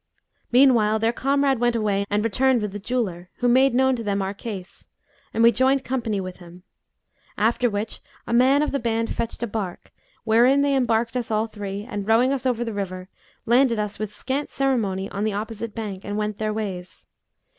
Meanwhile their comrade went away and returned with the jeweller, who made known to them our case, and we joined company with him; after which a man of the band fetched a barque, wherein they embarked us all three and, rowing us over the river, landed us with scant ceremony on the opposite bank and went their ways.